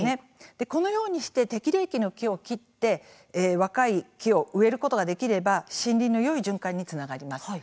このようにして適齢期の木を切って若い木を植えることができれば森林のよい循環につながります。